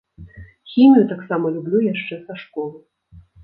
Хімію таксама люблю яшчэ са школы.